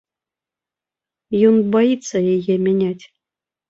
Ён баіцца яе мяняць.